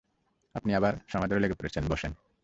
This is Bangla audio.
আপনি আবার সমাদরে লেগে পরেছেন, বসেন!